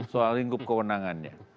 soal lingkup kewenangannya